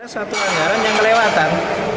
satu anggaran yang kelewatan